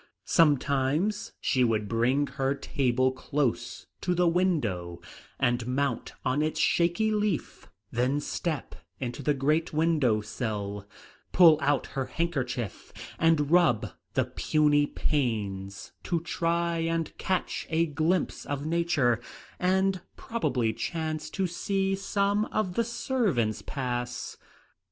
Sometimes she would bring her table close to the window and mount on its shaky leaf, then step into the great window sill, pull out her handkerchief and rub the puny panes to try and catch a glimpse of nature and probably chance to see some of the servants pass.